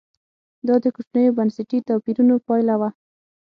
دا د کوچنیو بنسټي توپیرونو پایله وه